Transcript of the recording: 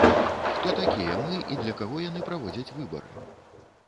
Хто такія мы, і для каго яны праводзяць выбары?